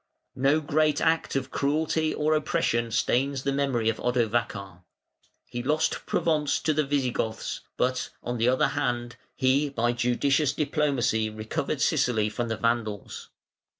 No great act of cruelty or oppression stains the memory of Odovacar. He lost Provence to the Visigoths, but, on the other hand, he by judicious diplomacy recovered Sicily from the Vandals.